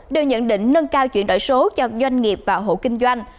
đều nhận định nâng cao chuyển đổi số cho doanh nghiệp và hộ kinh doanh